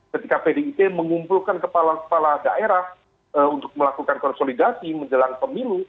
ketika pdip mengumpulkan kepala kepala daerah untuk melakukan konsolidasi menjelang pemilu